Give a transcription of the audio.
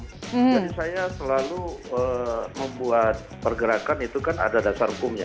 jadi saya selalu membuat pergerakan itu kan ada dasar hukumnya